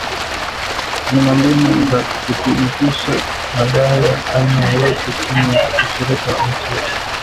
zina mbinu za kuthibitisha madai ya aina yoyote chini ya ushirika wa nchi za maziwa makuu